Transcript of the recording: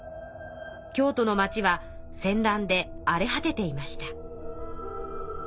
京都の町は戦乱であれ果てていました。